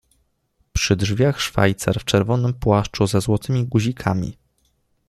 Przy drzwiach szwajcar w czerwonym płaszczu ze złotymi guzikami.